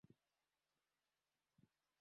Imeshuka na niliiokota.